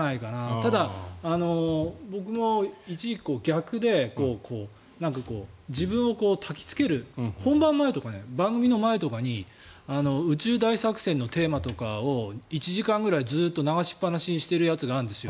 ただ、僕も一時期、逆で自分をたきつける本番前とか、番組の前とかに「宇宙大作戦」のテーマとかをずっと流しっぱなしにしてるやつがあるんですよ。